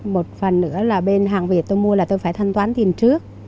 một phần nữa là bên hàng việt tôi mua là tôi phải thanh toán tiền trước